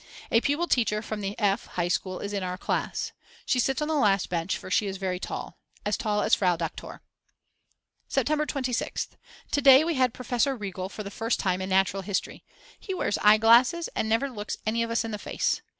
A pupil teacher from the F. high school is in our class. She sits on the last bench for she is very tall. As tall as Frau Doktor. September 26th. To day we had Professor Riegel for the first time in natural history. He wears eye glasses and never looks any of us in the face.